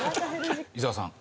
伊沢さん。